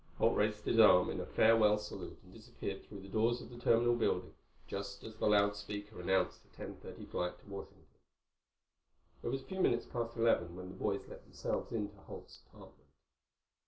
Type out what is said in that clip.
Holt raised his arm in a farewell salute and disappeared through the doors of the terminal building just as the loud speaker announced the ten thirty flight to Washington. It was a few minutes past eleven when the boys let themselves into Holt's apartment.